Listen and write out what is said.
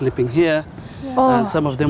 nhìn như một đoàn rất lớn